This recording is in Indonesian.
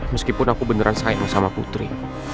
meskipun aku beneran sayang sama putri